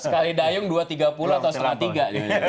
sekali dayung dua tiga pulau atau setelah tiga